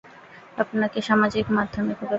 আপনাকে সামাজিক মাধ্যমে খুব একটা দেখা যায় না।